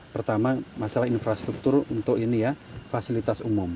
pertama masalah infrastruktur untuk fasilitas umum